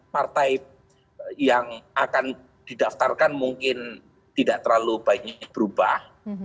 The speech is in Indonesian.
partai yang akan didaftarkan mungkin tidak terlalu banyak berubah